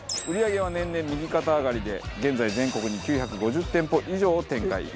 売り上げは年々右肩上がりで現在全国に９５０店舗以上を展開。